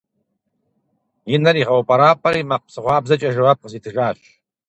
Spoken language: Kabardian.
И нэр игъэупӀэрапӀэри, макъ псыгъуабзэкӀэ жэуап къызитыжащ.